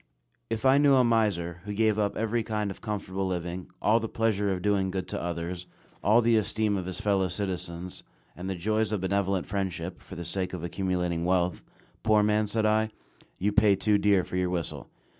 If I knew a miser, who gave up every kind of comfortable living, all the pleasure of doing good to others, all the esteem of his fellow citizens, and the joys of benevolent friendship, for the sake of accumulating wealth "Poor man," said I, "you pay too dear for your whistle."